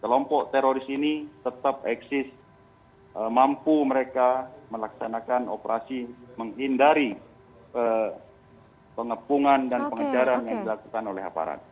kelompok teroris ini tetap eksis mampu mereka melaksanakan operasi menghindari pengepungan dan pengejaran yang dilakukan oleh aparat